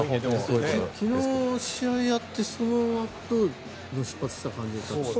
昨日、試合をやってそのあと出発した感じですか？